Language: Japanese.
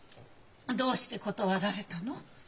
どうして断られたの？